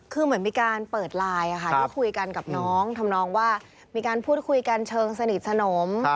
คือเหมือนมีการเปิดไลน์ที่คุยกันกับน้องทำนองว่ามีการพูดคุยกันเชิงสนิทสนม